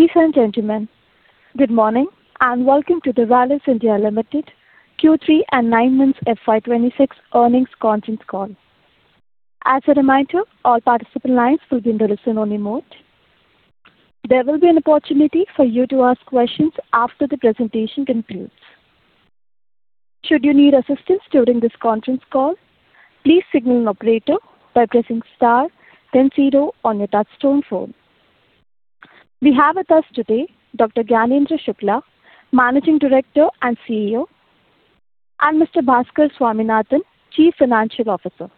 Ladies and gentlemen, good morning and welcome to the Rallis India Limited Q3 and 9 months FY26 Earnings Conference Call. As a reminder, all participant lines will be in the listen-only mode. There will be an opportunity for you to ask questions after the presentation concludes. Should you need assistance during this conference call, please signal an operator by pressing star 100 on your touchtone phone. We have with us today Dr. Gyanendra Shukla, Managing Director and CEO, and Mr. Bhaskar Swaminathan, Chief Financial Officer.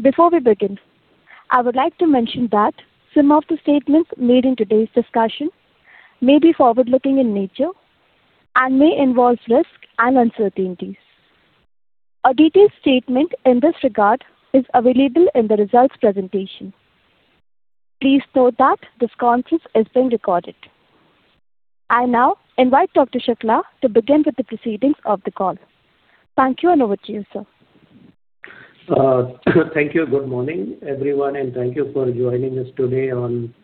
Before we begin, I would like to mention that some of the statements made in today's discussion may be forward-looking in nature and may involve risk and uncertainties. A detailed statement in this regard is available in the results presentation. Please note that this conference is being recorded. I now invite Dr. Shukla to begin with the proceedings of the call. Thank you and over to you, sir. Thank you. Good morning, everyone, and thank you for joining us today on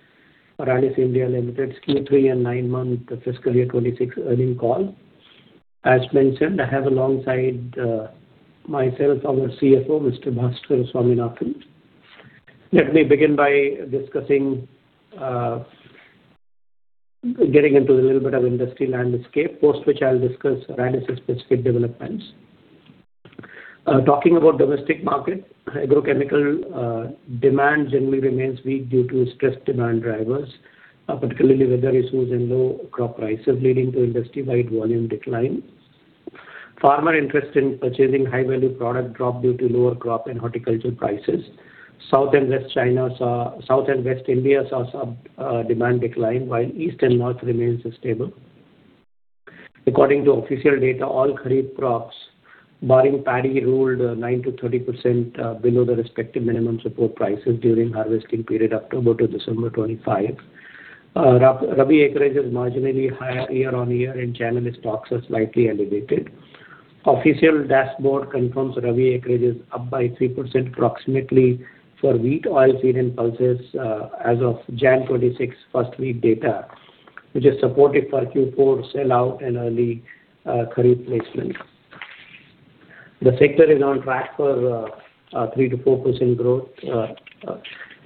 Rallis India Limited's Q3 and nine months FY2026 Earnings Call. As mentioned, I have alongside myself our CFO, Mr. Bhaskar Swaminathan. Let me begin by discussing getting into a little bit of industry landscape, post which I'll discuss Rallis's specific developments. Talking about domestic market, agrochemical demand generally remains weak due to stressed demand drivers, particularly weather issues and low crop prices, leading to industry-wide volume decline. Farmer interest in purchasing high-value products dropped due to lower crop and horticulture prices. South and West India saw subdued demand decline, while East and North remained stable. According to official data, all Kharif crops barring paddy ruled 9%-30% below the respective minimum support prices during harvesting period October to December 25. Rabi acreage is marginally higher year-on-year, and channel stocks are slightly elevated. Official dashboard confirms Rabi acreage is up by 3% approximately for wheat, oilseed, and pulses as of January 2026 first week data, which is supportive for Q4 sell-out and early Kharif placement. The sector is on track for 3%-4% growth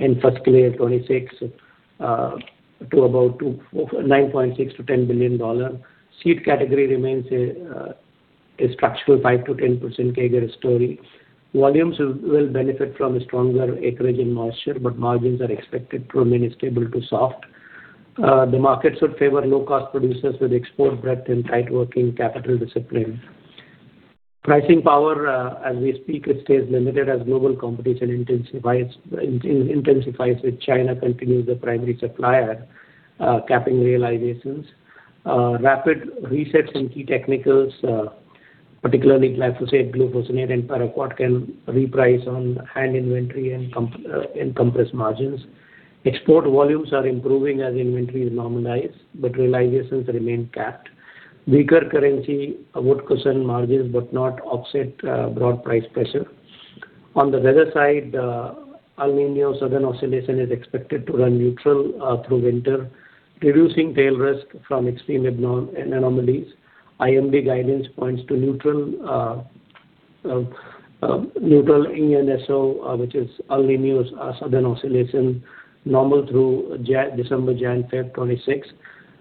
in fiscal year 2026 to about $9.6 billion-$10 billion. Seed category remains a structural 5%-10% CAGR story. Volumes will benefit from stronger acreage and moisture, but margins are expected to remain stable to soft. The market should favor low-cost producers with export breadth and tight working capital discipline. Pricing power, as we speak, stays limited as global competition intensifies with China continuing the primary supplier capping realizations. Rapid resets in key technicals, particularly glyphosate, glufosinate, and paraquat, can reprice on hand inventory and compress margins. Export volumes are improving as inventories normalize, but realizations remain capped. Weaker currency would cushion margins but not offset broad price pressure. On the weather side, El Niño Southern Oscillation is expected to run neutral through winter, reducing tail risk from extreme anomalies. IMD guidance points to neutral ENSO, which is El Niño Southern Oscillation, normal through December, January 5, 2026.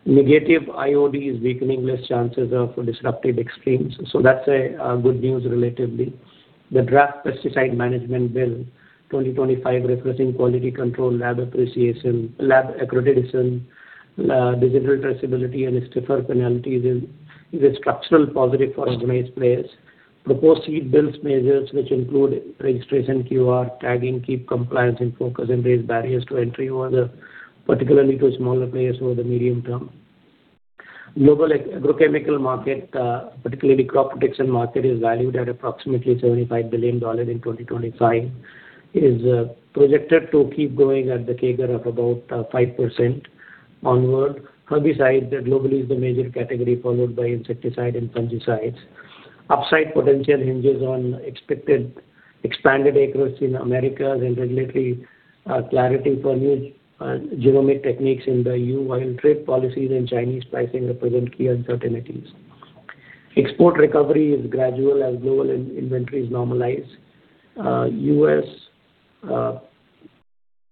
Negative IOD is weakening, less chances of disrupted extremes, so that's good news relatively. The Draft Pesticide Management Bill 2025, referencing quality control lab accreditation, digital traceability, and stiffer penalties is a structural positive for organized players. Proposed seed bills measures which include registration QR, tagging, keep compliance in focus, and raise barriers to entry over the particularly to smaller players over the medium term. Global agrochemical market, particularly crop protection market, is valued at approximately $75 billion in 2025. It is projected to keep going at the CAGR of about 5% onward. Herbicides globally is the major category, followed by insecticides and fungicides. Upside potential hinges on expected expanded acreage in Americas and regulatory clarity for new genomic techniques in the EU. Oil trade policies and Chinese pricing represent key uncertainties. Export recovery is gradual as global inventories normalize.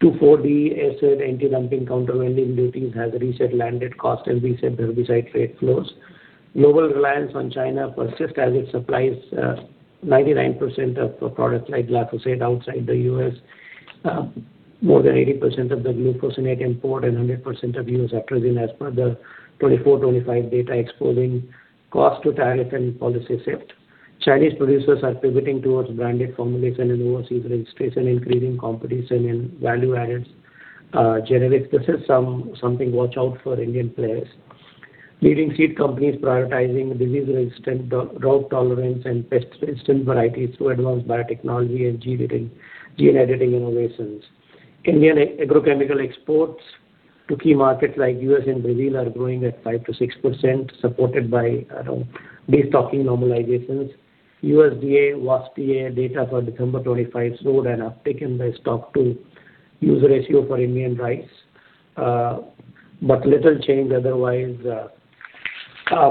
U.S. 2,4-D acid anti-dumping countervailing duties has reset landed cost and reset herbicide trade flows. Global reliance on China persists as it supplies 99% of products like glyphosate outside the U.S., more than 80% of the glufosinate import, and 100% of U.S. atrazine as per the 2024-25 data exposing cost to tariff and policy shift. Chinese producers are pivoting towards branded formulation and overseas registration, increasing competition and value added generics. This is something to watch out for Indian players. Leading seed companies prioritizing disease-resistant drought tolerance and pest-resistant varieties through advanced biotechnology and gene editing innovations. Indian agrochemical exports to key markets like U.S. and Brazil are growing at 5%-6%, supported by destocking normalizations. USDA WASDE data for December 2025 showed an uptick in the stock-to-use ratio for Indian rice, but little change otherwise.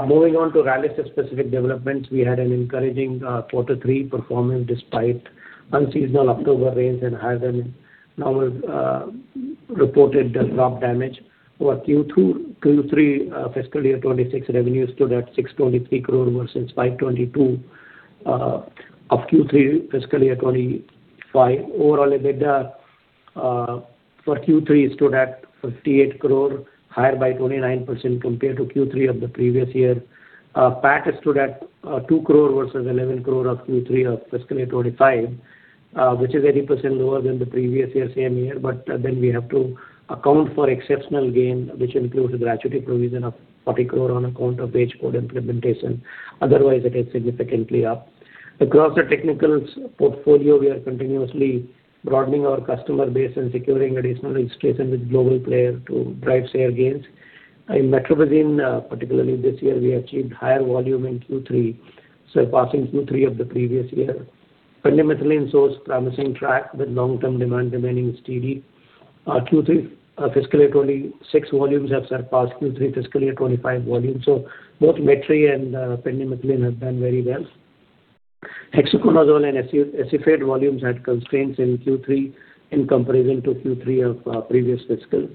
Moving on to Rallis's specific developments, we had an encouraging quarter three performance despite unseasonal October rains and higher than normal reported crop damage. For Q3, fiscal year 2026 revenues stood at 623 crore versus 522 crore of Q3 fiscal year 2025. Overall, EBITDA for Q3 stood at 58 crore, higher by 29% compared to Q3 of the previous year. PAT stood at 2 crore versus 11 crore of Q3 of fiscal year 2025, which is 80% lower than the previous year, same year. But then we have to account for exceptional gain, which includes a gratuity provision of 40 crore on account of Wage Code implementation. Otherwise, it is significantly up. Across the technicals portfolio, we are continuously broadening our customer base and securing additional registration with global players to drive share gains. In metribuzin, particularly this year, we achieved higher volume in Q3, surpassing Q3 of the previous year. pendimethalin shows promising traction with long-term demand remaining steady. Q3 fiscal year 2026 volumes have surpassed Q3 fiscal year 2025 volumes. So both metribuzin and pendimethalin have done very well. hexaconazole and acephate volumes had constraints in Q3 in comparison to Q3 of previous fiscal.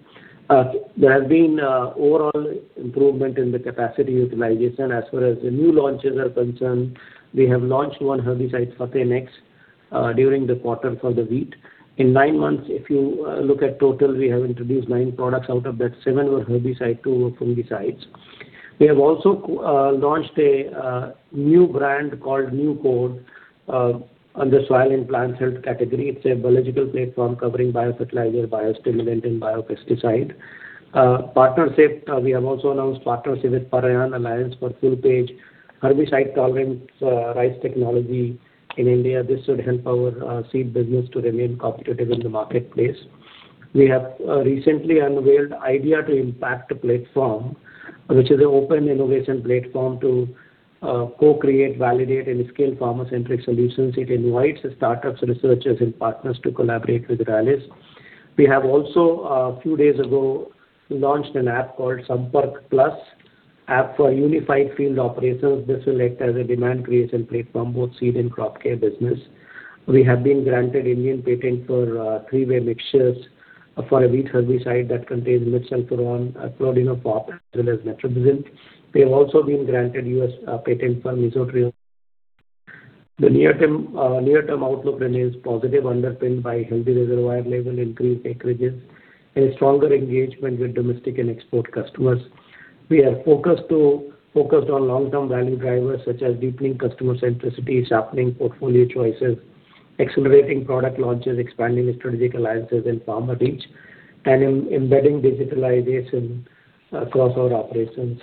There has been overall improvement in the capacity utilization as far as the new launches are concerned. We have launched one herbicide, Fateh Nxt during the quarter for the wheat. In nine months, if you look at total, we have introduced nine products. Out of that, seven were herbicide, two were fungicides. We have also launched a new brand called NuCode under soil and plant health category. It's a biological platform covering biofertilizer, biostimulant, and biopesticide. We have also announced partnership with Paryan Alliance for FullPage herbicide-tolerant rice technology in India. This should help our seed business to remain competitive in the marketplace. We have recently unveiled Idea2Impact platform, which is an open innovation platform to co-create, validate, and scale pharmaceutical solutions. It invites startups, researchers, and partners to collaborate with Rallis. We have also, a few days ago, launched an app called Sampark Plus, an app for unified field operations. This will act as a demand creation platform, both seed and crop care business. We have been granted Indian patent for three-way mixtures for a wheat herbicide that contains metsulfuron, clodinafop, as well as metribuzin. We have also been granted U.S. patent for mesotrione. The near-term outlook remains positive, underpinned by healthy reservoir level, increased acreages, and stronger engagement with domestic and export customers. We are focused on long-term value drivers such as deepening customer centricity, sharpening portfolio choices, accelerating product launches, expanding strategic alliances and farmer reach, and embedding digitalization across our operations.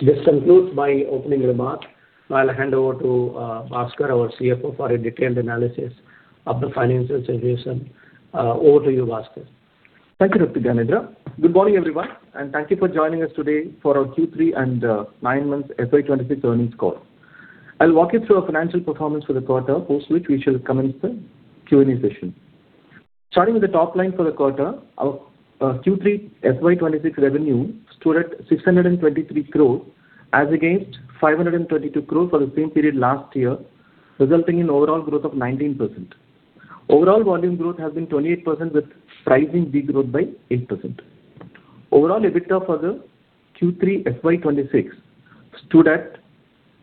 This concludes my opening remark. I'll hand over to Bhaskar, our CFO, for a detailed analysis of the financial situation. Over to you, Bhaskar. Thank you, Dr. Gyanendra. Good morning, everyone, and thank you for joining us today for our Q3 and 9 months FY26 earnings call. I'll walk you through our financial performance for the quarter, post which we shall commence the Q&A session. Starting with the top line for the quarter, our Q3 FY26 revenue stood at 623 crore as against 522 crore for the same period last year, resulting in overall growth of 19%. Overall volume growth has been 28%, with price degrowth by 8%. Overall EBITDA for the Q3 FY26 stood at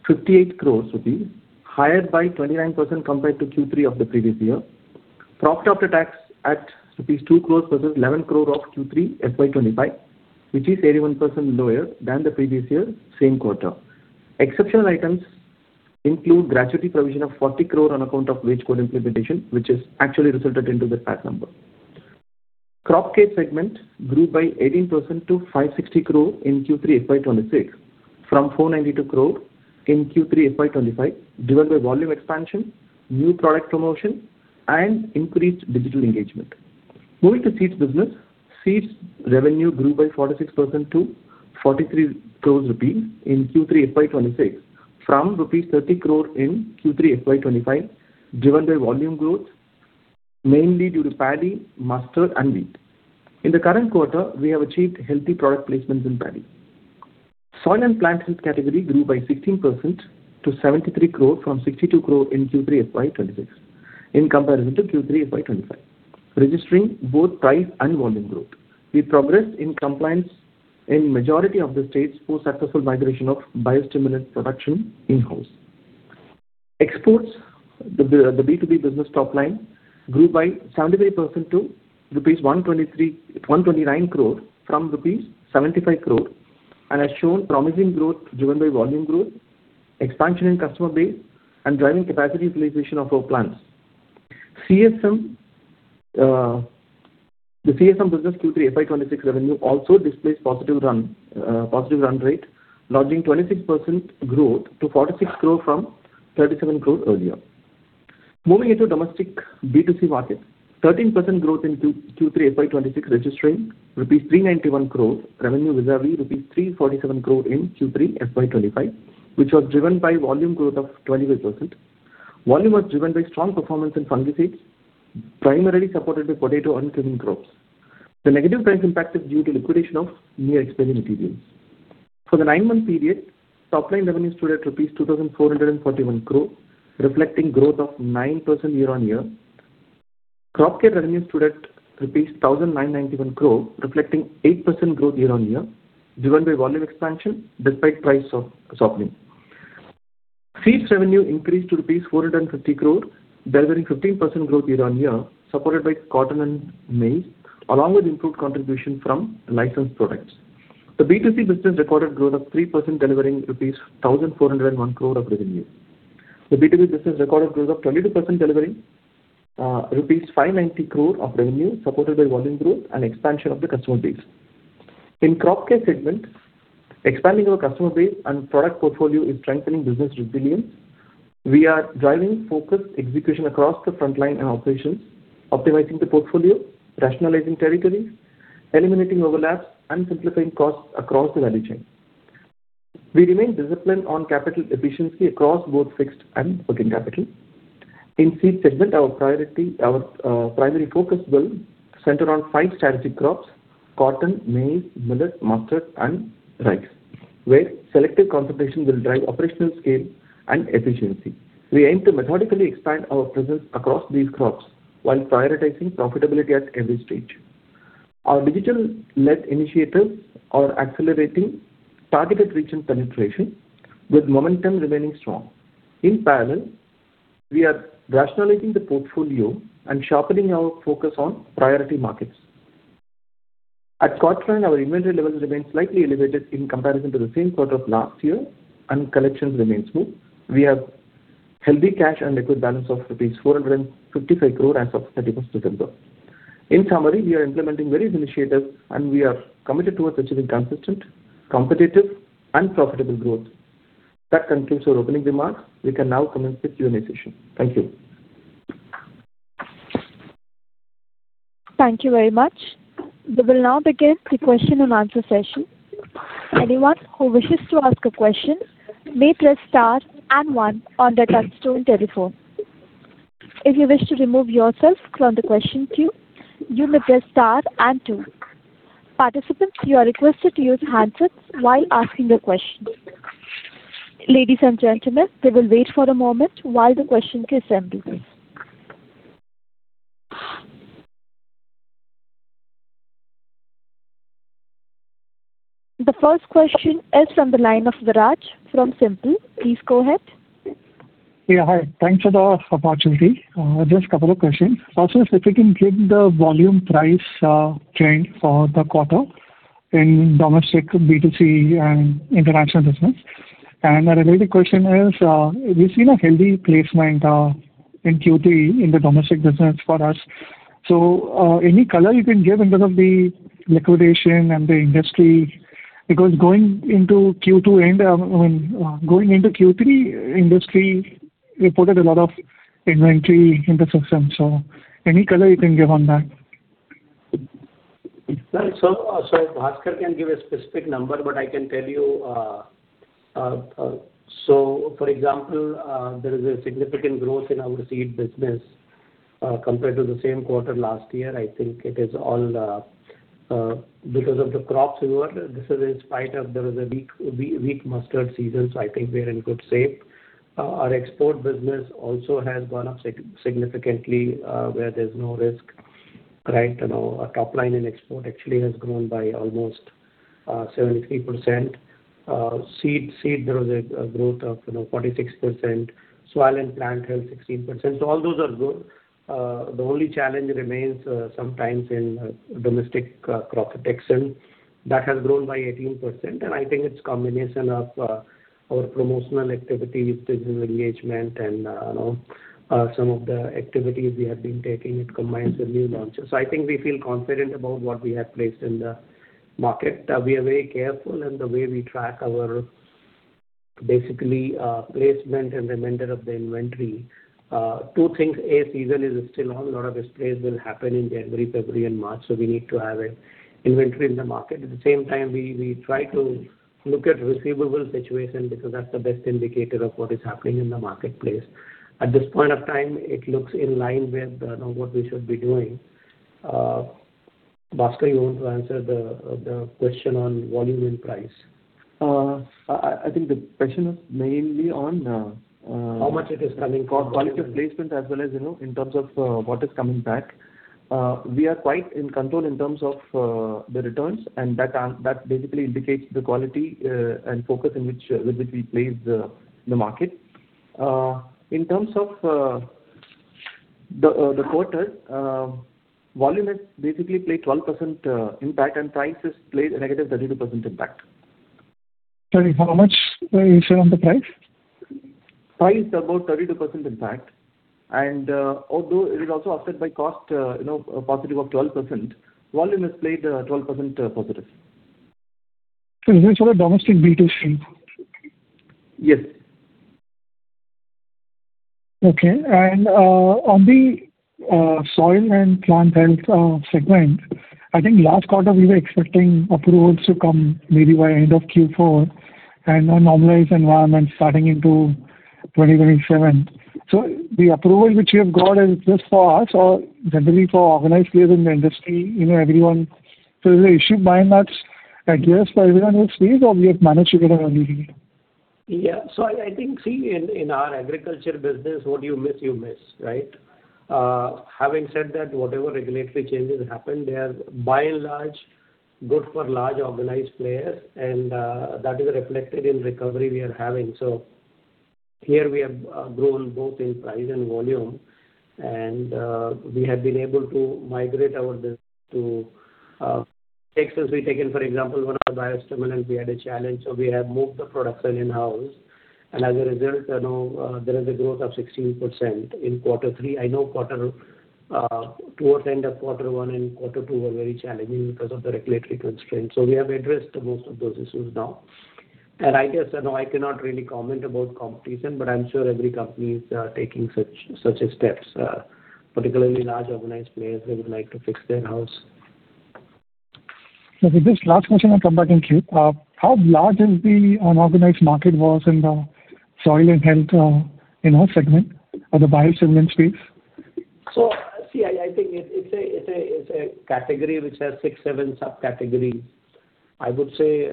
58 crore rupees, higher by 29% compared to Q3 of the previous year. Profit after tax at rupees 2 crore versus 11 crore rupees of Q3 FY25, which is 81% lower than the previous year, same quarter. Exceptional items include gratuity provision of 40 crore on account of Wage Code implementation, which has actually resulted in the PAT number. Crop care segment grew by 18% to 560 crore in Q3 FY26 from 492 crore in Q3 FY25, driven by volume expansion, new product promotion, and increased digital engagement. Moving to Seeds business, Seeds revenue grew by 46% to 43 crore rupees in Q3 FY26 from rupees 30 crore in Q3 FY25, driven by volume growth, mainly due to paddy, mustard, and wheat. In the current quarter, we have achieved healthy product placements in paddy. Soil and plant health category grew by 16% to 73 crore in Q3 FY26 from 62 crore in Q3 FY25, registering both price and volume growth. We progressed in compliance in majority of the states post-successful migration of biostimulant production in-house. Exports, the B2B business top line, grew by 73% to 129 crore from rupees 75 crore and has shown promising growth, driven by volume growth, expansion in customer base, and driving capacity utilization of our plants. The CSM business Q3 FY26 revenue also displays positive run rate, logging 26% growth to 46 crore from 37 crore earlier. Moving into domestic B2C market, 13% growth in Q3 FY26, registering rupees 391 crore revenue vis-à-vis rupees 347 crore in Q3 FY25, which was driven by volume growth of 25%. Volume was driven by strong performance in fungicides, primarily supported by potato and cumin crops. The negative price impact is due to liquidation of near-expiry materials. For the nine-month period, top line revenue stood at rupees 2,441 crore, reflecting growth of 9% year-on-year. Crop care revenue stood at INR 1,991 crore, reflecting 8% growth year-on-year, driven by volume expansion despite price softening. Seed revenue increased to rupees 450 crore, delivering 15% growth year-on-year, supported by cotton and maize, along with improved contribution from licensed products. The B2C business recorded growth of 3%, delivering rupees 1,401 crore of revenue. The B2B business recorded growth of 22%, delivering rupees 590 crore of revenue, supported by volume growth and expansion of the customer base. In crop care segment, expanding our customer base and product portfolio is strengthening business resilience. We are driving focused execution across the front line and operations, optimizing the portfolio, rationalizing territories, eliminating overlaps, and simplifying costs across the value chain. We remain disciplined on capital efficiency across both fixed and working capital. In seed segment, our primary focus will center on five strategic crops: cotton, maize, millet, mustard, and rice, where selective concentration will drive operational scale and efficiency. We aim to methodically expand our presence across these crops while prioritizing profitability at every stage. Our digital-led initiatives are accelerating targeted region penetration, with momentum remaining strong. In parallel, we are rationalizing the portfolio and sharpening our focus on priority markets. At quarter end, our inventory levels remain slightly elevated in comparison to the same quarter of last year, and collections remain smooth. We have healthy cash and liquidity balance of rupees 455 crore as of 31st December. In summary, we are implementing various initiatives, and we are committed towards achieving consistent, competitive, and profitable growth. That concludes our opening remarks. We can now commence the Q&A session. Thank you. Thank you very much. We will now begin the question and answer session. Anyone who wishes to ask a question may press star and one on the touch-tone telephone. If you wish to remove yourself from the question queue, you may press star and two. Participants, you are requested to use handsets while asking your questions. Ladies and gentlemen, we'll wait for a moment while the question queue is empty. The first question is from the line of Viraj from SiMPL. Please go ahead. Yeah, hi. Thanks for the opportunity. Just a couple of questions. First is, if we can keep the volume price trend for the quarter in domestic B2C and international business. And the related question is, we've seen a healthy placement in Q3 in the domestic business for us. So any color you can give in terms of the liquidation and the industry? Because going into Q2 end, I mean, going into Q3, industry reported a lot of inventory in the system. So any color you can give on that? Sorry, Bhaskar can give a specific number, but I can tell you. For example, there is a significant growth in our seed business compared to the same quarter last year. I think it is all because of the crops we were. This is in spite of there was a weak mustard season, so I think we are in good shape. Our export business also has gone up significantly, where there's no risk. Right? Our top line in export actually has grown by almost 73%. Seed, there was a growth of 46%. Soil and plant health, 16%. So all those are good. The only challenge remains sometimes in domestic crop protection. That has grown by 18%. I think it's a combination of our promotional activities, business engagement, and some of the activities we have been taking. It combines with new launches. So I think we feel confident about what we have placed in the market. We are very careful in the way we track our basically placement and remainder of the inventory. Two things: A, season is still on. A lot of displays will happen in January, February, and March, so we need to have an inventory in the market. At the same time, we try to look at receivable situation because that's the best indicator of what is happening in the marketplace. At this point of time, it looks in line with what we should be doing. Bhaskar, you want to answer the question on volume and price? I think the question is mainly on. How much it is coming? Quality of placement as well as in terms of what is coming back. We are quite in control in terms of the returns, and that basically indicates the quality and focus with which we place the market. In terms of the quarter, volume has basically played 12% impact, and price has played a negative 32% impact. Sorry, how much you said on the price? Price is about 32% impact, and although it is also offset by cost positive of 12%, volume has played 12% positive. Is it for the domestic B2C? Yes. Okay, and on the soil and plant health segment, I think last quarter we were expecting approvals to come maybe by end of Q4 and a normalized environment starting into 2027, so the approval which you have got is just for us or generally for organized players in the industry, everyone? So is the issue by and large at your feet, or everyone else's feet, or you have managed to get a lead? Yeah. So I think, see, in our agriculture business, what you miss, you miss, right? Having said that, whatever regulatory changes happen, they are by and large good for large organized players, and that is reflected in recovery we are having. So here we have grown both in price and volume, and we have been able to migrate our business to places we take in. For example, one of the biostimulants, we had a challenge, so we have moved the production in-house. And as a result, there is a growth of 16% in quarter three. I know towards the end of quarter one and quarter two were very challenging because of the regulatory constraints. So we have addressed most of those issues now. I guess I cannot really comment about competition, but I'm sure every company is taking such steps, particularly large organized players that would like to fix their house. Okay. Just last question, I'll come back into it. How large is the organized market in the Soil Health in-house segment or the biostimulant space? So see, I think it's a category which has six, seven subcategories. I would say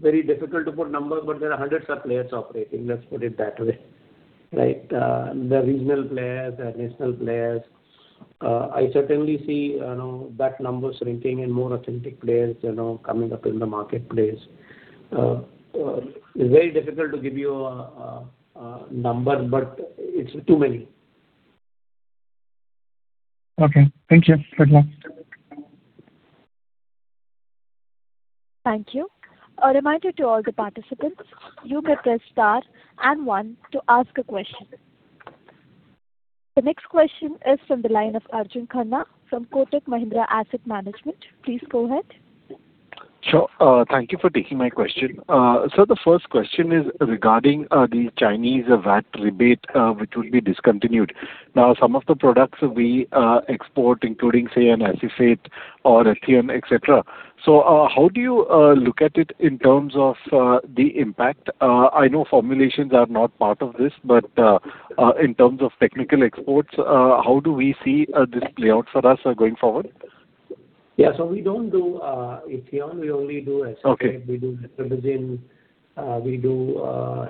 very difficult to put numbers, but there are hundreds of players operating, let's put it that way, right? The regional players, the national players. I certainly see that number shrinking and more authentic players coming up in the marketplace. It's very difficult to give you a number, but it's too many. Okay. Thank you. Good luck. Thank you. A reminder to all the participants, you may press star and one to ask a question. The next question is from the line of Arjun Khanna from Kotak Mahindra Asset Management. Please go ahead. Sure. Thank you for taking my question. So the first question is regarding the Chinese VAT rebate which will be discontinued. Now, some of the products we export, including, say, acephate or ethion, etc. So how do you look at it in terms of the impact? I know formulations are not part of this, but in terms of technical exports, how do we see this play out for us going forward? Yeah. So we don't do ethion. We only do acephate. We do metribuzin. We do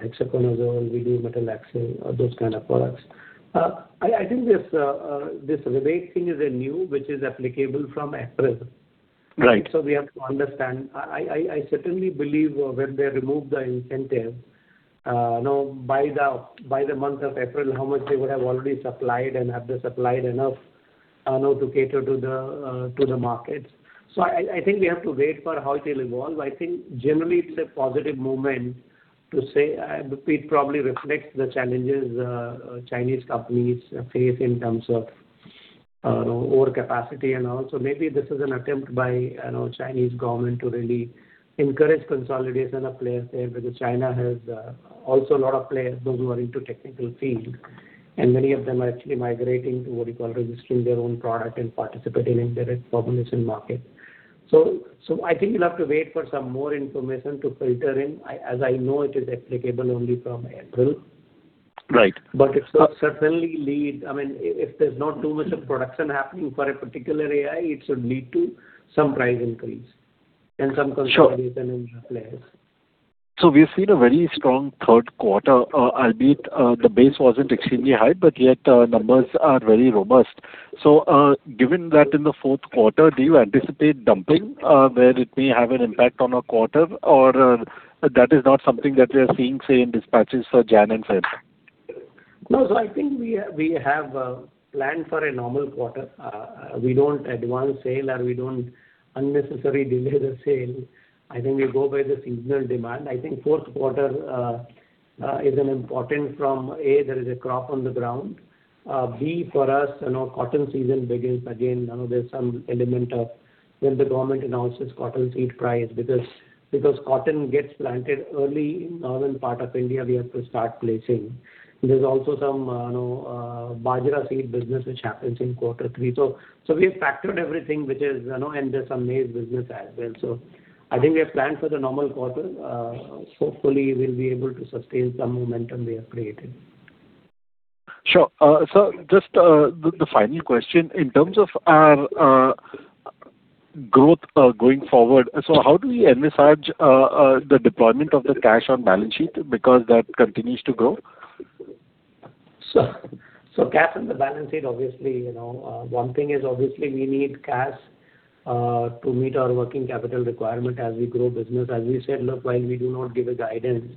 hexaconazole. We do metalaxyl, those kind of products. I think this rebate thing is a new which is applicable from April. So we have to understand. I certainly believe when they remove the incentive by the month of April, how much they would have already supplied and have they supplied enough to cater to the markets? So I think we have to wait for how it will evolve. I think generally it's a positive moment to say it probably reflects the challenges Chinese companies face in terms of overcapacity and all. So maybe this is an attempt by the Chinese government to really encourage consolidation of players there because China has also a lot of players, those who are into technical field, and many of them are actually migrating to what you call registering their own product and participating in direct formulation market. So I think you'll have to wait for some more information to filter in, as I know it is applicable only from April. But it will certainly lead, I mean, if there's not too much of production happening for a particular area, it should lead to some price increase and some consolidation in players. So we've seen a very strong third quarter, albeit the base wasn't extremely high, but yet numbers are very robust. So given that in the fourth quarter, do you anticipate dumping where it may have an impact on a quarter, or that is not something that we are seeing, say, in dispatches for January and February? No. So I think we have planned for a normal quarter. We don't advance sale or we don't unnecessarily delay the sale. I think we go by the seasonal demand. I think fourth quarter is important from, A, there is a crop on the ground. B, for us, cotton season begins again. There's some element of when the government announces cotton seed price because cotton gets planted early in the northern part of India, we have to start placing. There's also some bajra seed business which happens in quarter three. So we have factored everything which is, and there's some maize business as well. So I think we have planned for the normal quarter. Hopefully, we'll be able to sustain some momentum we have created. Sure. So just the final question. In terms of our growth going forward, so how do we envisage the deployment of the cash on balance sheet because that continues to grow? So cash on the balance sheet, obviously, one thing is obviously we need cash to meet our working capital requirement as we grow business. As we said, look, while we do not give a guidance,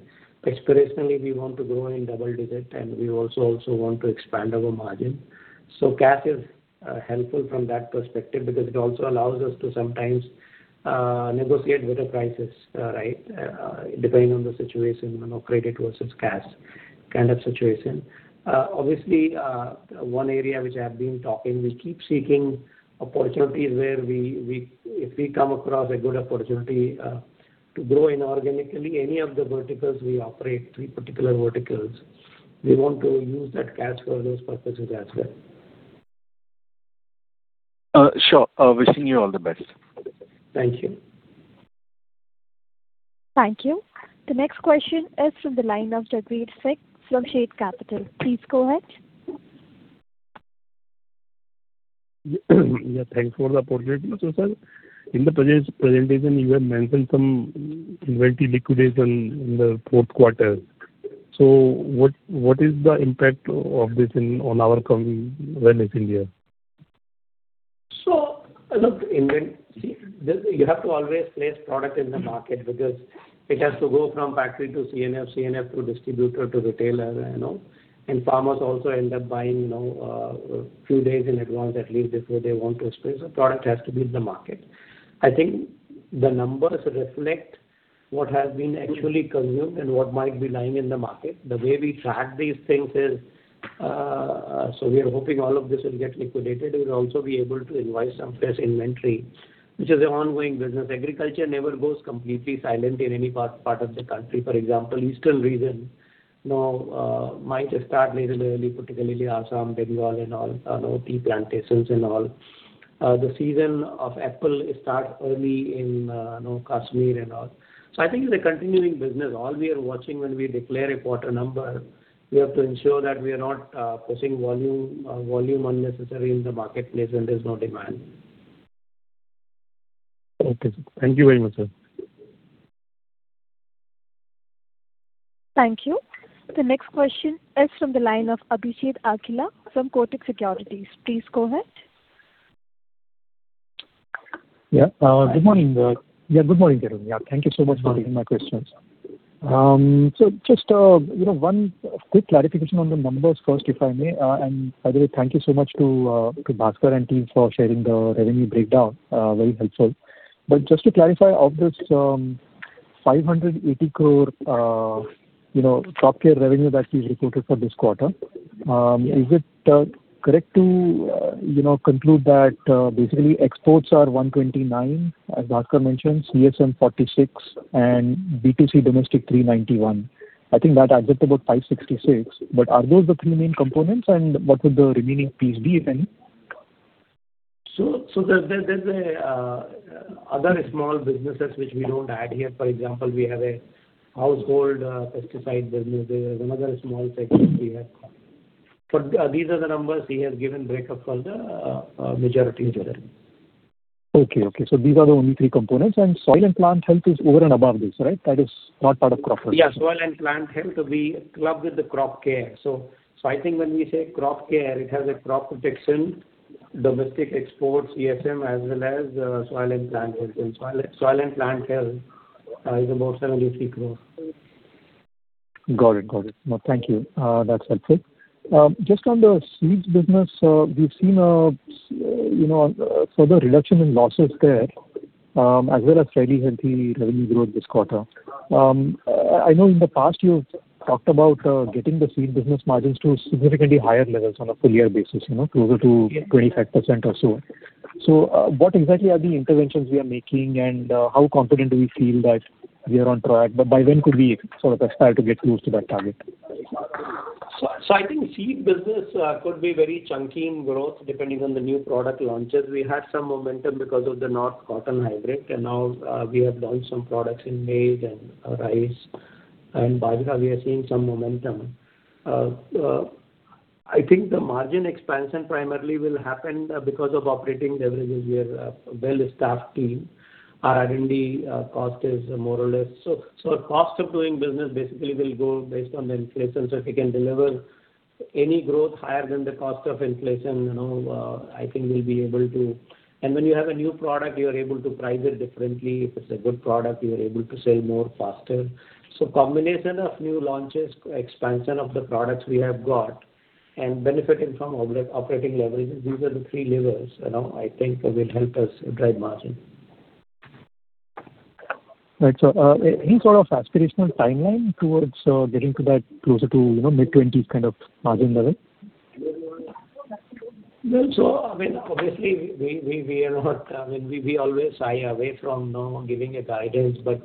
aspirationally, we want to grow in double digit, and we also want to expand our margin. So cash is helpful from that perspective because it also allows us to sometimes negotiate better prices, right, depending on the situation, credit versus cash kind of situation. Obviously, one area which I have been talking, we keep seeking opportunities where if we come across a good opportunity to grow inorganically, any of the verticals we operate, three particular verticals, we want to use that cash for those purposes as well. Sure. Wishing you all the best. Thank you. Thank you. The next question is from the line of Jagvir Singh from Shade Capital. Please go ahead. Yeah. Thanks for the opportunity. So sir, in the presentation, you have mentioned some inventory liquidation in the fourth quarter. So what is the impact of this on our coming business in India? So look, you have to always place product in the market because it has to go from factory to C&F, C&F to distributor to retailer. And farmers also end up buying a few days in advance, at least before they want to explain. So product has to be in the market. I think the numbers reflect what has been actually consumed and what might be lying in the market. The way we track these things is, so we are hoping all of this will get liquidated. We'll also be able to invite some fresh inventory, which is an ongoing business. Agriculture never goes completely silent in any part of the country. For example, Eastern region might start later in the early, particularly Assam, Bengal, and all tea plantations and all. The season of apple starts early in Kashmir and all. So I think it's a continuing business. All we are watching when we declare a quarter number, we have to ensure that we are not pushing volume unnecessary in the marketplace when there's no demand. Okay. Thank you very much, sir. Thank you. The next question is from the line of Abhishek from Kotak Securities. Please go ahead. Yeah. Good morning. Yeah. Good morning, Gyanendra. Thank you so much for taking my questions. So just one quick clarification on the numbers first, if I may. And by the way, thank you so much to Bhaskar and team for sharing the revenue breakdown. Very helpful. But just to clarify of this 580 crore topline revenue that you've reported for this quarter, is it correct to conclude that basically exports are 129 crore, as Bhaskar mentioned, CSM 46 crore, and B2C domestic 391 crore? I think that adds up to about 566. But are those the three main components, and what would the remaining piece be, if any? So, there's other small businesses which we don't add here. For example, we have a household pesticide business. There is another small segment we have. But these are the numbers he has given breakup for the majority of revenue. Okay, so these are the only three components, and soil and plant health is over and above this, right? That is not part of crop health. Yeah. Soil and plant health will be clubbed with the crop care. So I think when we say crop care, it has a crop protection, domestic exports, CSM, as well as soil and plant health. And soil and plant health is about 73 crore. Got it. Got it. Thank you. That's helpful. Just on the Seeds business, we've seen a further reduction in losses there as well as fairly healthy revenue growth this quarter. I know in the past, you've talked about getting the seed business margins to significantly higher levels on a full-year basis, closer to 25% or so. So what exactly are the interventions we are making, and how confident do we feel that we are on track? By when could we sort of aspire to get close to that target? So I think seed business could be very chunky in growth depending on the new product launches. We had some momentum because of the North Cotton Hybrid, and now we have launched some products in maize and rice and bajra. We are seeing some momentum. I think the margin expansion primarily will happen because of operating leverages. We have a well-staffed team. Our R&D cost is more or less. So cost of doing business basically will go based on the inflation. So if we can deliver any growth higher than the cost of inflation, I think we'll be able to. And when you have a new product, you're able to price it differently. If it's a good product, you're able to sell more faster. So, combination of new launches, expansion of the products we have got, and benefiting from operating leverages, these are the three levers I think will help us drive margin. Right. So any sort of aspirational timeline towards getting to that closer to mid-20s kind of margin level? Well, so I mean, obviously, we are not. I mean, we always shy away from giving a guidance. But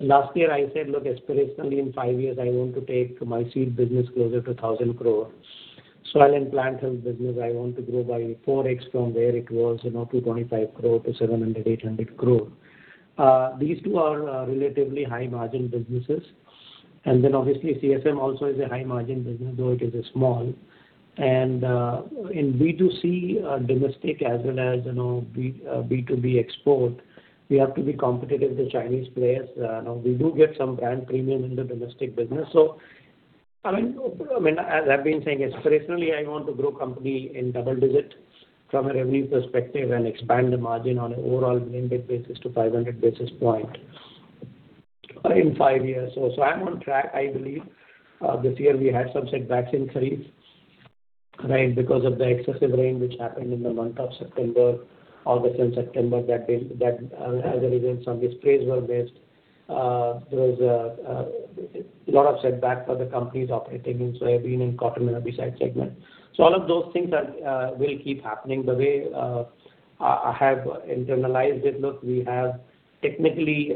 last year, I said, "Look, aspirationally in five years, I want to take my seed business closer to 1,000 crore. Soil and plant health business, I want to grow by 4x from where it was, 225 crore to 700-800 crore." These two are relatively high-margin businesses. And then obviously, CSM also is a high-margin business, though it is small. And in B2C domestic as well as B2B export, we have to be competitive with the Chinese players. We do get some brand premium in the domestic business. So I mean, as I've been saying, aspirationally, I want to grow company in double digit from a revenue perspective and expand the margin on an overall blended basis to 500 basis point in five years. So I'm on track, I believe. This year, we had some setbacks in Kharif, right, because of the excessive rain which happened in the month of September, August, and September that, as a result, some displays were missed. There was a lot of setback for the companies operating in soybean and cotton and herbicide segment. So all of those things will keep happening. The way I have internalized it, look, we have technically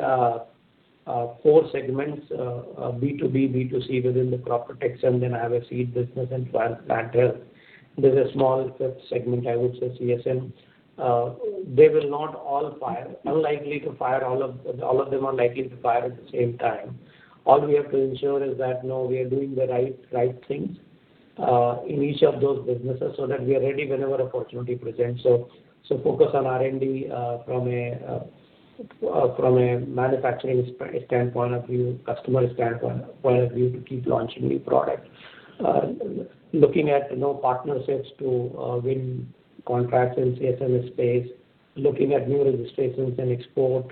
four segments, B2B, B2C within the crop protection, then I have a seed business and soil and plant health. There's a small fifth segment, I would say, CSM. They will not all fire. Unlikely to fire. All of them are likely to fire at the same time. All we have to ensure is that, no, we are doing the right things in each of those businesses so that we are ready whenever opportunity presents. Focus on R&D from a manufacturing standpoint of view, customer standpoint of view, to keep launching new products. Looking at partnerships to win contracts in CSM space, looking at new registrations and export.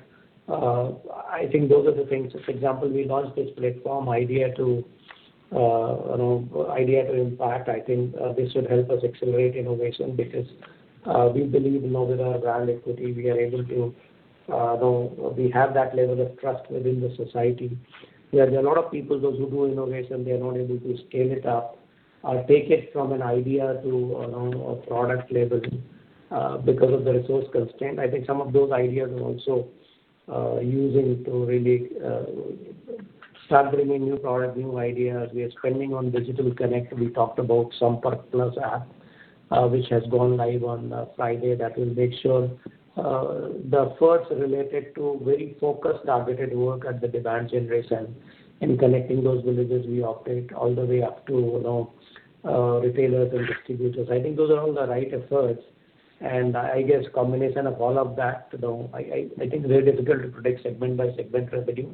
I think those are the things. For example, we launched this platform, Idea2Impact. I think this should help us accelerate innovation because we believe with our brand equity, we are able to we have that level of trust within the society. There are a lot of people, those who do innovation, they are not able to scale it up, take it from an idea to a product level because of the resource constraint. I think some of those ideas are also using to really start bringing new products, new ideas. We are spending on Digital Connect. We talked about Sampark Plus app, which has gone live on Friday. That will make sure the first related to very focused, targeted work at the demand generation and connecting those villages we operate all the way up to retailers and distributors. I think those are all the right efforts. And I guess combination of all of that, I think it's very difficult to predict segment by segment revenue.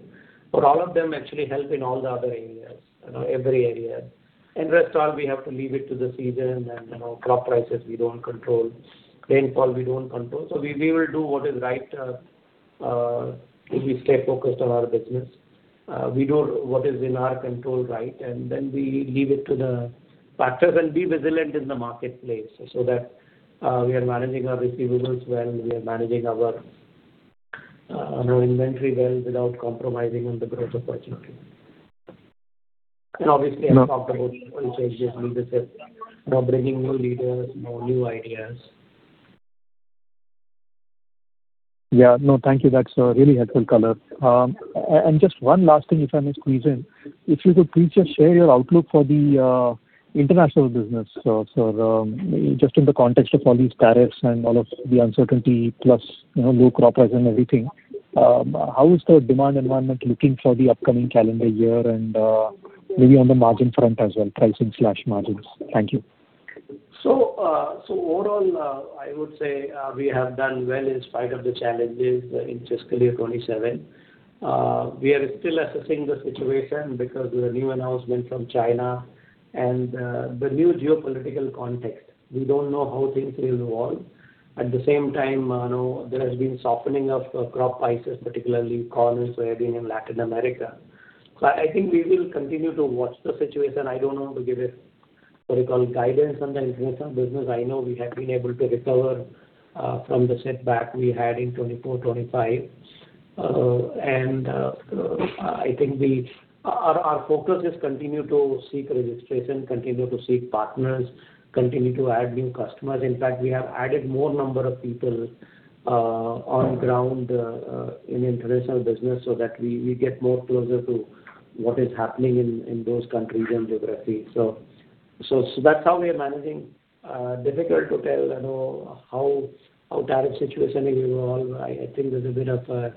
But all of them actually help in all the other areas, every area. And rest all, we have to leave it to the season. And crop prices, we don't control. Rainfall, we don't control. So we will do what is right if we stay focused on our business. We do what is in our control, right? And then we leave it to the factors and be vigilant in the marketplace so that we are managing our receivables well, we are managing our inventory well without compromising on the growth opportunity. Obviously, I've talked about people changing leadership, bringing new leaders, new ideas. Yeah. No, thank you. That's really helpful, Gyanendra. And just one last thing, if I may squeeze in. If you could please just share your outlook for the international business, sir, just in the context of all these tariffs and all of the uncertainty plus low crop price and everything. How is the demand environment looking for the upcoming calendar year and maybe on the margin front as well, pricing/margins? Thank you. So overall, I would say we have done well in spite of the challenges in fiscal year 2027. We are still assessing the situation because of the new announcement from China and the new geopolitical context. We don't know how things will evolve. At the same time, there has been softening of crop prices, particularly corn, soybean, and Latin America. So I think we will continue to watch the situation. I don't want to give a what do you call guidance on the international business. I know we have been able to recover from the setback we had in 24, 25. And I think our focus is to continue to seek registration, continue to seek partners, continue to add new customers. In fact, we have added more number of people on ground in international business so that we get more closer to what is happening in those countries and geographies. So that's how we are managing. It is difficult to tell how the tariff situation will evolve. I think there's a bit of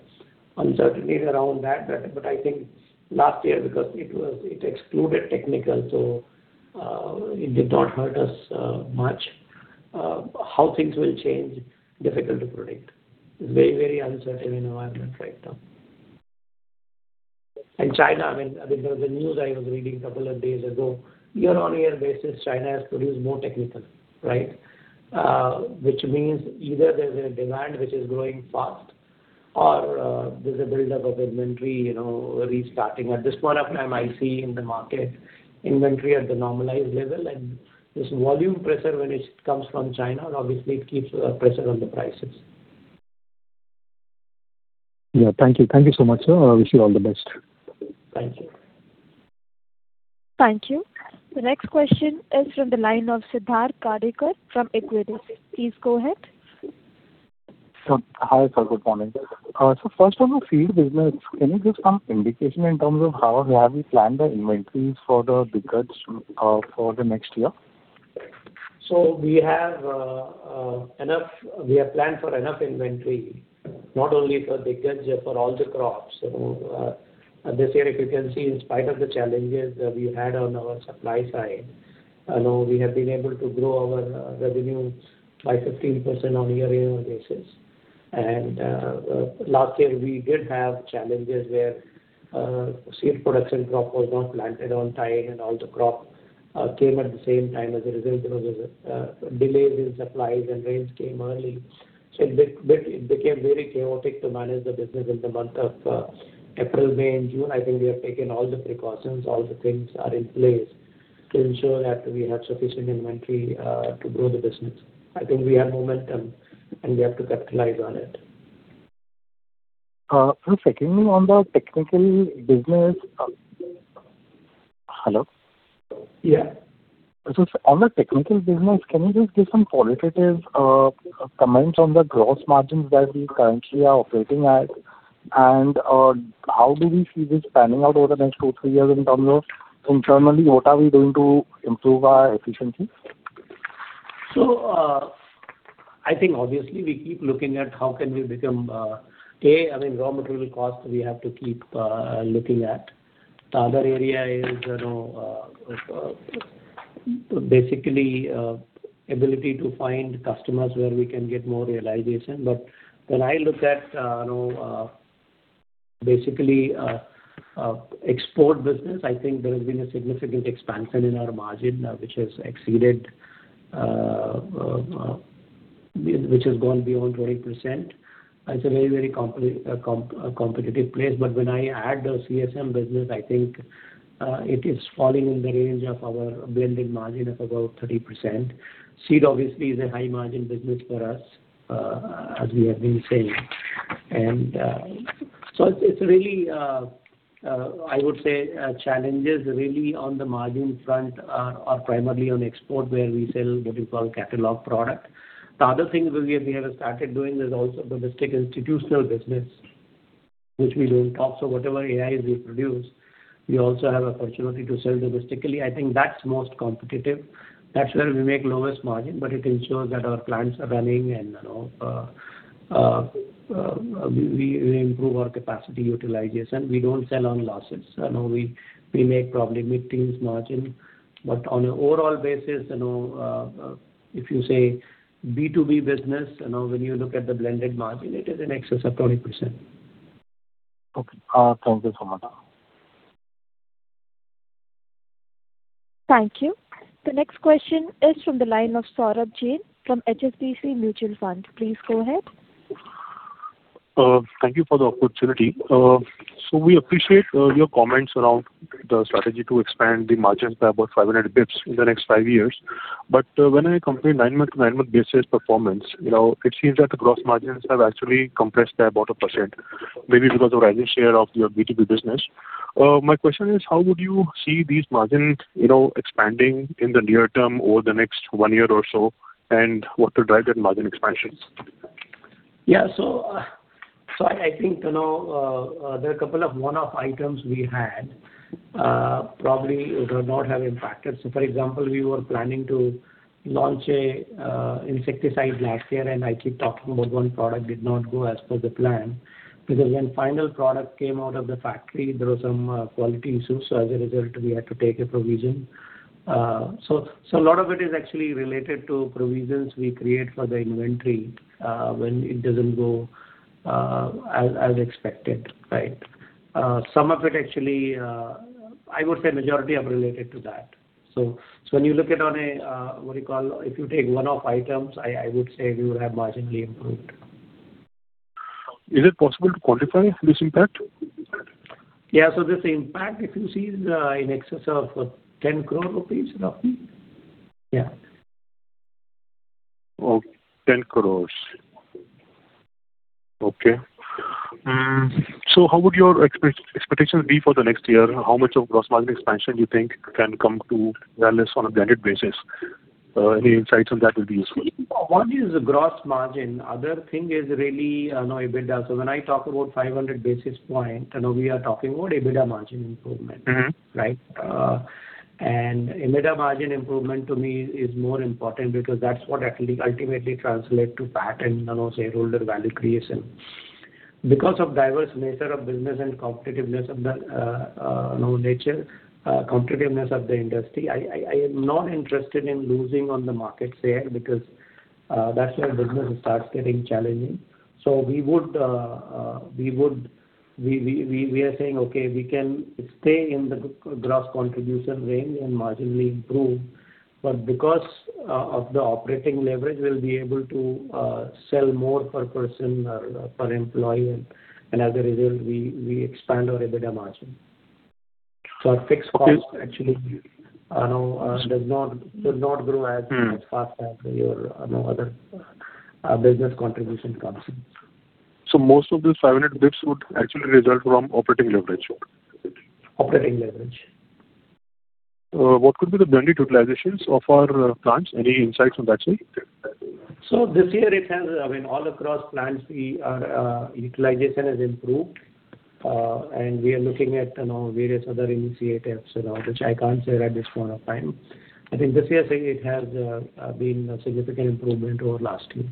uncertainty around that. But I think last year, because it excluded technical, so it did not hurt us much. How things will change is difficult to predict. It is a very, very uncertain environment right now. And China, I mean, there was a news I was reading a couple of days ago. On a year-on-year basis, China has produced more technical, right? Which means either there's a demand which is growing fast or there's a buildup of inventory restarting. At this point of time, I see in the market inventory at the normalized level. And this volume pressure, when it comes from China, obviously, it keeps pressure on the prices. Yeah. Thank you. Thank you so much, sir. I wish you all the best. Thank you. Thank you. The next question is from the line of Siddharth Gadekar from Equirus. Please go ahead. Hi, sir. Good morning. So first, on the seed business, can you give some indication in terms of how we plan the inventories for the Bajra for the next year? We have planned for enough inventory, not only for Bajra, for all the crops. This year, if you can see, in spite of the challenges we had on our supply side, we have been able to grow our revenue by 15% on a year-on-year basis. Last year, we did have challenges where seed production crop was not planted on time, and all the crop came at the same time. As a result, there were delays in supplies, and rains came early. It became very chaotic to manage the business in the month of April, May, and June. I think we have taken all the precautions. All the things are in place to ensure that we have sufficient inventory to grow the business. I think we have momentum, and we have to capitalize on it. Perfect. And on the technical business, hello? Yeah. So on the technical business, can you just give some qualitative comments on the gross margins that we currently are operating at, and how do we see this panning out over the next two, three years in terms of internally, what are we doing to improve our efficiencies? So I think, obviously, we keep looking at how can we become—I mean, raw material cost, we have to keep looking at. The other area is basically the ability to find customers where we can get more realization. But when I look at basically export business, I think there has been a significant expansion in our margin, which has gone beyond 20%. It's a very, very competitive place. But when I add the CSM business, I think it is falling in the range of our blended margin of about 30%. Seed, obviously, is a high-margin business for us, as we have been saying. And so it's really, I would say, challenges really on the margin front are primarily on export, where we sell what you call catalog product. The other thing we have started doing is also domestic institutional business, which we don't talk. So whatever AIs we produce, we also have opportunity to sell domestically. I think that's most competitive. That's where we make lowest margin, but it ensures that our plants are running, and we improve our capacity utilization. We don't sell on losses. We make probably mid-teens margin. But on an overall basis, if you say B2B business, when you look at the blended margin, it is in excess of 20%. Okay. Thank you so much. Thank you. The next question is from the line of Saurabh Jain from HSBC Mutual Fund. Please go ahead. Thank you for the opportunity. So we appreciate your comments around the strategy to expand the margins by about 500 basis points in the next five years. But when I compare nine-month-to-nine-month basis performance, it seems that the gross margins have actually compressed by about 1%, maybe because of the rising share of your B2B business. My question is, how would you see these margins expanding in the near term over the next one year or so, and what will drive that margin expansion? Yeah. So I think there are a couple of one-off items we had probably would not have impacted. So for example, we were planning to launch an insecticide last year, and I keep talking about one product did not go as per the plan. Because when the final product came out of the factory, there were some quality issues. So as a result, we had to take a provision. So a lot of it is actually related to provisions we create for the inventory when it doesn't go as expected, right? Some of it, actually, I would say majority are related to that. So when you look at on a what do you call if you take one-off items, I would say we would have marginally improved. Is it possible to quantify this impact? Yeah. So this impact, if you see, is in excess of 10 crore rupees, roughly. Yeah. Okay. 10 crore. Okay. So how would your expectations be for the next year? How much of gross margin expansion do you think can come to wellness on a blended basis? Any insights on that would be useful. One is gross margin. The other thing is really EBITDA. So when I talk about 500 basis point, we are talking about EBITDA margin improvement, right? And EBITDA margin improvement, to me, is more important because that's what ultimately translates to PAT, shareholder value creation. Because of the diverse nature of business and competitiveness of the nature, competitiveness of the industry, I am not interested in losing on the market share because that's where business starts getting challenging. So we are saying, okay, we can stay in the gross contribution range and marginally improve. But because of the operating leverage, we'll be able to sell more per person or per employee. And as a result, we expand our EBITDA margin. So our fixed cost actually does not grow as fast as the other business contribution comes in. Most of this 500 basis points would actually result from operating leverage. Operating leverage. What could be the blended utilizations of our plants? Any insights on that, sir? This year, it has, I mean, all across plants, utilization has improved. We are looking at various other initiatives, which I can't share at this point of time. I think this year, it has been a significant improvement over last year.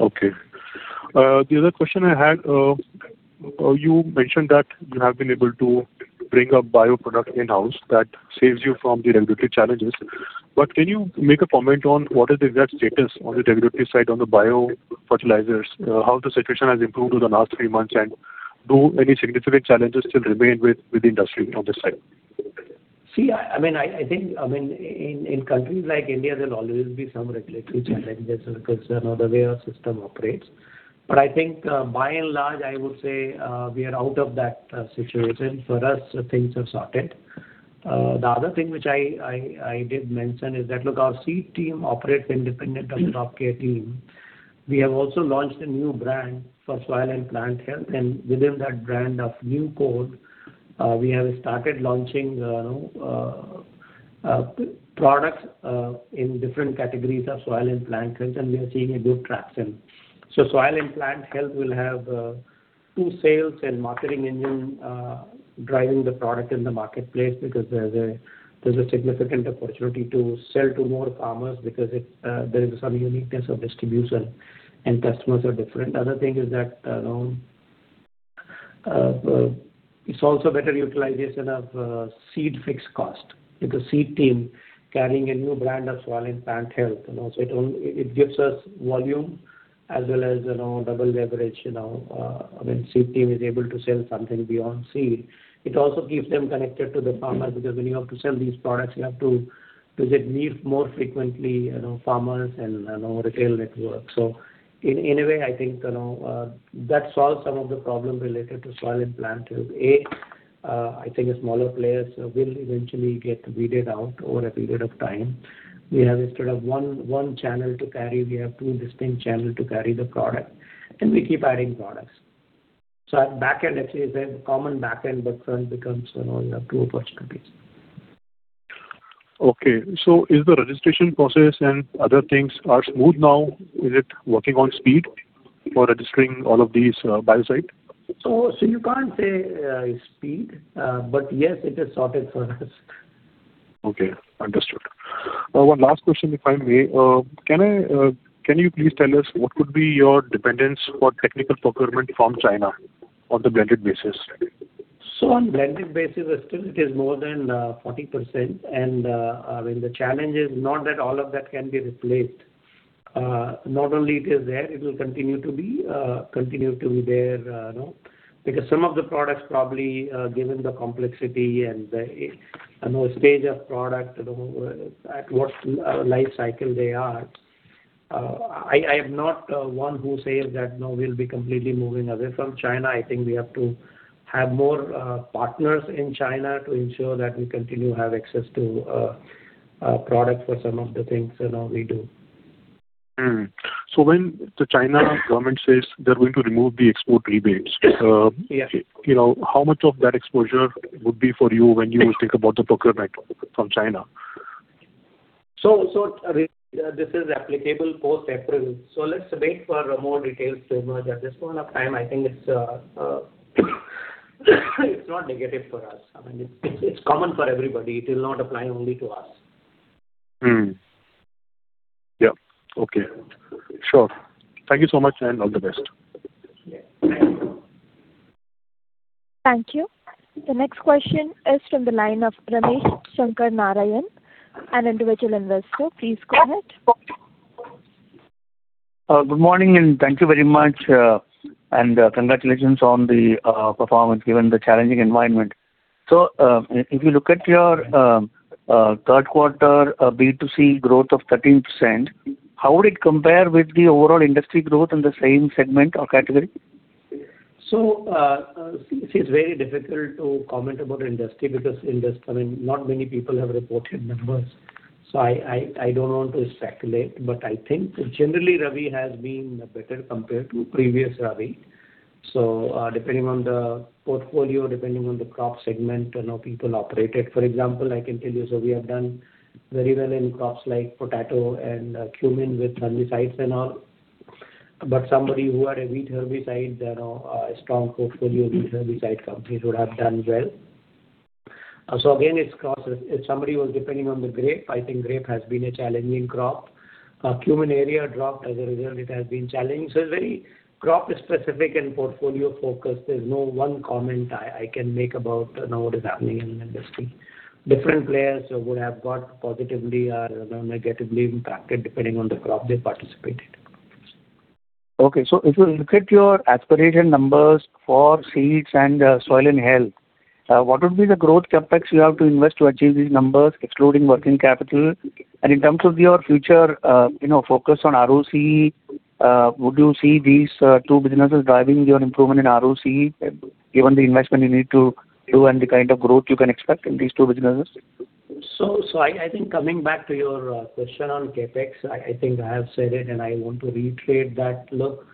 Okay. The other question I had, you mentioned that you have been able to bring a bio product in-house that saves you from the regulatory challenges, but can you make a comment on what is the exact status on the regulatory side on the bio fertilizers? How the situation has improved over the last three months? And do any significant challenges still remain with the industry on this side? See, I mean, I think, I mean, in countries like India, there will always be some regulatory challenges or concerns or the way our system operates. But I think, by and large, I would say we are out of that situation. The other thing which I did mention is that, look, our seed team operates independent of the top-tier team. We have also launched a new brand for soil and plant health. And within that brand of NuCode, we have started launching products in different categories of soil and plant health, and we are seeing a good traction. So soil and plant health will have two sales and marketing engines driving the product in the marketplace because there's a significant opportunity to sell to more farmers because there is some uniqueness of distribution, and customers are different. The other thing is that it's also better utilization of seed fixed cost because seed team carrying a new brand of soil and plant health. So it gives us volume as well as double leverage. I mean, seed team is able to sell something beyond seed. It also keeps them connected to the farmers because when you have to sell these products, you have to visit more frequently farmers and retail networks. So in a way, I think that solves some of the problem related to soil and plant health. A, I think a smaller place will eventually get weeded out over a period of time. We have, instead of one channel to carry, we have two distinct channels to carry the product. And we keep adding products. So at backend, actually, it's a common backend, but front becomes you have two opportunities. Okay. So is the registration process and other things smooth now? Is it working at speed for registering all of these biostimulants? So you can't say speed, but yes, it is sorted for us. Okay. Understood. One last question, if I may. Can you please tell us what could be your dependence for technical procurement from China on the blended basis? So on blended basis, still, it is more than 40%. And I mean, the challenge is not that all of that can be replaced. Not only it is there, it will continue to be there because some of the products, probably given the complexity and the stage of product, at what life cycle they are, I am not one who says that we'll be completely moving away from China. I think we have to have more partners in China to ensure that we continue to have access to product for some of the things we do. When the Chinese government says they're going to remove the export rebates, how much of that exposure would be for you when you think about the procurement from China? This is applicable post-April. So let's wait for more details to emerge. At this point of time, I think it's not negative for us. I mean, it's common for everybody. It will not apply only to us. Yeah. Okay. Sure. Thank you so much, and all the best. Yeah. Thank you. Thank you. The next question is from the line of Ramesh Shankar Narayan, an individual investor. Please go ahead. Good morning, and thank you very much, and congratulations on the performance given the challenging environment, so if you look at your third-quarter B2C growth of 13%, how would it compare with the overall industry growth in the same segment or category? See, it's very difficult to comment about industry because, I mean, not many people have reported numbers. So I don't want to speculate. But I think, generally, Rabi has been better compared to previous Rabi. So depending on the portfolio, depending on the crop segment people operated, for example, I can tell you. So we have done very well in crops like potato and cumin with herbicides and all. But somebody who had a wheat herbicide, a strong portfolio of wheat herbicide companies, would have done well. So again, it's crossed. If somebody was depending on the grape, I think grape has been a challenging crop. Cumin area dropped. As a result, it has been challenging. So it's very crop-specific and portfolio-focused. There's no one comment I can make about what is happening in the industry. Different players would have got positively or negatively impacted depending on the crop they participated. Okay. So if we look at your aspiration numbers for Seeds and soil and health, what would be the growth CapEx you have to invest to achieve these numbers, excluding working capital? And in terms of your future focus on ROC, would you see these two businesses driving your improvement in ROC, given the investment you need to do and the kind of growth you can expect in these two businesses? I think coming back to your question on CapEx, I think I have said it, and I want to reiterate that. Look,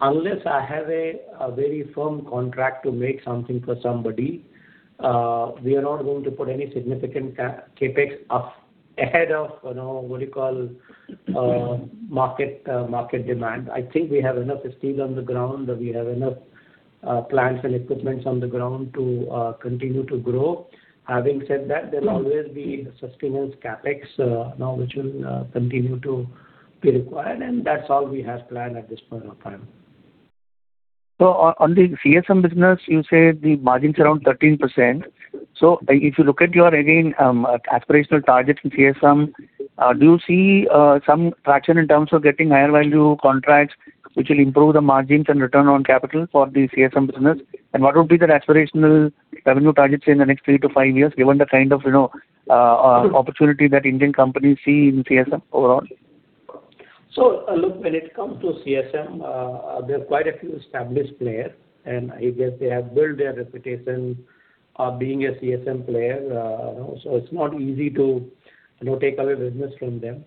unless I have a very firm contract to make something for somebody, we are not going to put any significant CapEx ahead of what do you call market demand. I think we have enough steel on the ground. We have enough plants and equipment on the ground to continue to grow. Having said that, there will always be sustenance CapEx, which will continue to be required. And that's all we have planned at this point of time. So on the CSM business, you said the margin is around 13%. So if you look at your, again, aspirational target in CSM, do you see some traction in terms of getting higher-value contracts, which will improve the margins and return on capital for the CSM business? And what would be the aspirational revenue targets in the next three to five years, given the kind of opportunity that Indian companies see in CSM overall? So look, when it comes to CSM, there are quite a few established players. And I guess they have built their reputation of being a CSM player. So it's not easy to take away business from them.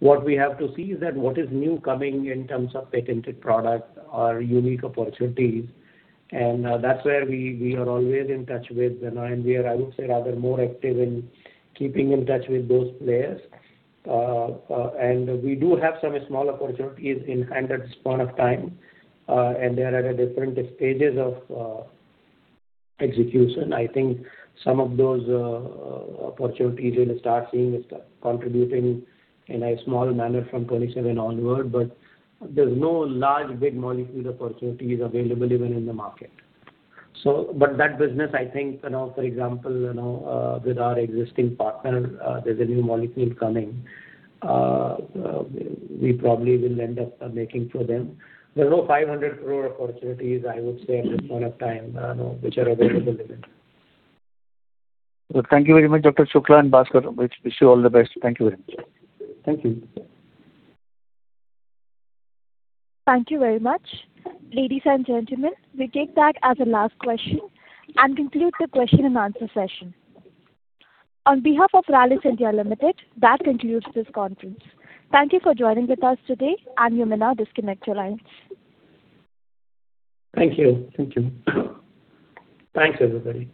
What we have to see is that what is new coming in terms of patented product or unique opportunities. And that's where we are always in touch with. And we are, I would say, rather more active in keeping in touch with those players. And we do have some small opportunities in hand at this point of time. And they are at different stages of execution. I think some of those opportunities we will start seeing is contributing in a small manner from 27 onward. But there's no large big molecule opportunities available even in the market. But that business, I think, for example, with our existing partner, there's a new molecule coming. We probably will end up making for them. There are no 500 crore opportunities, I would say, at this point of time, which are available even. Thank you very much, Dr. Shukla and Bhaskar. Wish you all the best. Thank you very much. Thank you. Thank you very much. Ladies and gentlemen, we take that as a last question and conclude the question and answer session. On behalf of Rallis India Limited, that concludes this conference. Thank you for joining with us today and you may now disconnect the line. Thank you. Thank you. Thanks, everybody.